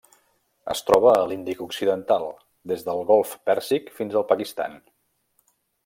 Es troba a l'Índic occidental: des del Golf Pèrsic fins al Pakistan.